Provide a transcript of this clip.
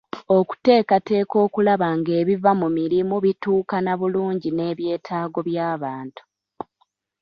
Okuteekateeka okulaba ng'ebiva mu mirimu bituukana bulungi n'ebyetaago by'abantu.